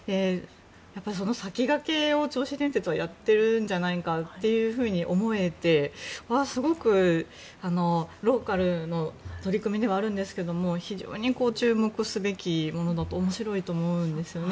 その先駆けを銚子電鉄はやってるんじゃないかと思えて、すごくローカルの取り組みではあるんですが非常に注目すべきものだと面白いと思うんですよね。